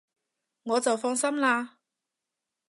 我就放心喇